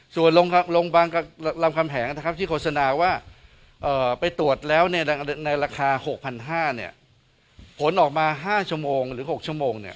ส่วนโรงพยาบาลรามคำแหงนะครับที่โฆษณาว่าไปตรวจแล้วในราคา๖๕๐๐เนี่ยผลออกมา๕ชั่วโมงหรือ๖ชั่วโมงเนี่ย